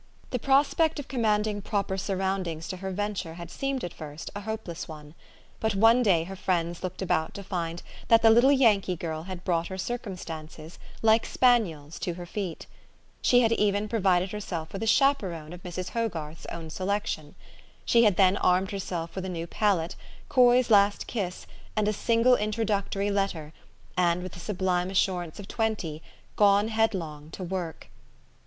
The prospect of commanding proper surroundings to her venture had seemed, at first, a hopeless one ; but one day her friends looked about to find that the little Yankee girl had brought her circumstances, like spaniels, to her feet. She had even provided herself with a chaperone of Mrs. Hogarth's own selection. She had then armed herself with a new palette, Coy's last kiss, and a single introductory letter, and, with the sublime assurance of twenty, gone headlong to work.